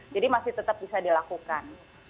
jadi masih tetap bisa dilakukan